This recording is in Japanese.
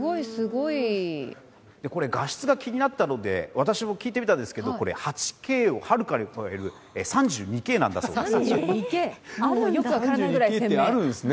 画質が気になったので私も聞いてみたんですけど８Ｋをはるかに超える３２Ｋなんだそうです。